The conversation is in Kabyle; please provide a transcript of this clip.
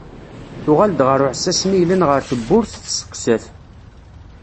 Tuɣal-d ɣer uɛessas-nni yellan ɣer tewwurt, testeqsa-t.